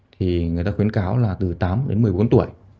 thì người ta khuyến cáo là từ tám đến một mươi bốn tuổi